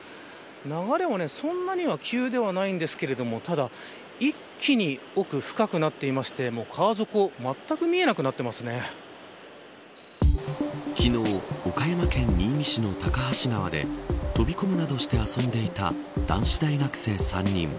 流れはそんなには急ではないんですがただ、一気に奥深くなっていまして川底、まったく昨日、岡山県新見市の高梁川で飛び込むなどして遊んでいた男子大学生３人。